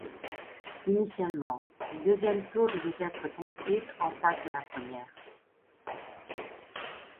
Initialement, une deuxième tour devait être construite en face de la première.